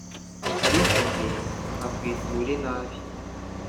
ariko jye nkakwitura inabi.